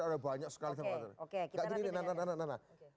oke oke kita nanti dengar